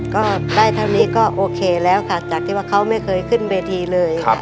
ก็ได้เท่านี้ก็โอเคแล้วค่ะจากที่ว่าเขาไม่เคยขึ้นเวทีเลย